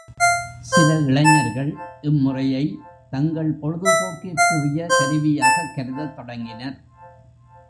சில இளைஞர்கள் இம்முறையைத் தங்கள் பொழுதுபோக்கிற்குரிய கருவியாகக் கருதத் தொடங்கினர்.